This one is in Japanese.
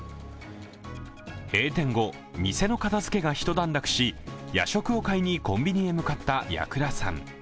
閉店後、店の片づけがひと段落し、夜食を買いにコンビニに向かった矢倉さん。